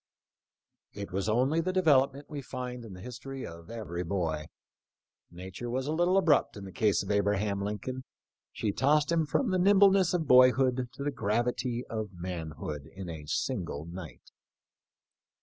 * It was only the development we find in the history of every boy. Nature was a little abrupt in the case of Abraham Lincoln ; she tossed him from the nimbleness of boyhood to the gravity of manhood in a single night.